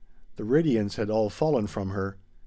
The radiance had all fallen from her.